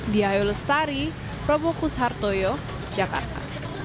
diayu lestari robokus hartoyo jakarta